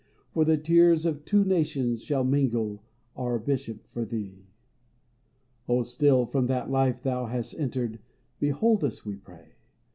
For the tears of two nations shall mingle, Our Bishop, for thee. Oh, still, from that life thou hast entered. Behold us, we pray